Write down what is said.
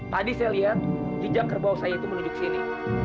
tadi saya lihat jejak kerbau saya itu menuju ke sini